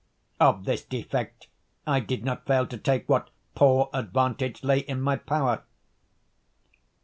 Of this defect I did not fail to take what poor advantage lay in my power.